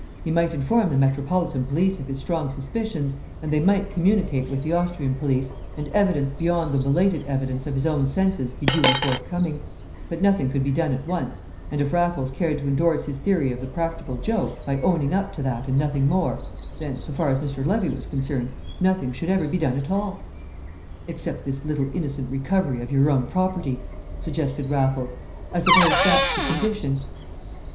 He might inform the Metropolitan Police of his strong suspicions; and they might communicate with the Austrian police, and evidence beyond the belated evidence of his own senses be duly forthcoming; but nothing could be done at once, and if Raffles cared to endorse his theory of the practical joke, by owning up to that and nothing more, then, so far as Mr. Levy was concerned, nothing should ever be done at all. "Except this little innocent recovery of your own property," suggested Raffles. "I suppose that's the condition?"